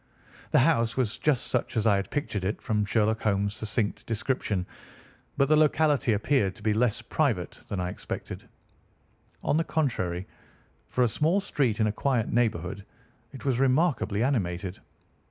The house was just such as I had pictured it from Sherlock Holmes' succinct description, but the locality appeared to be less private than I expected. On the contrary, for a small street in a quiet neighbourhood, it was remarkably animated.